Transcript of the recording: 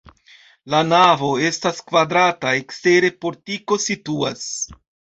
La navo estas kvadrata, ekstere portiko situas.